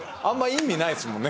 意味ないっすもんね。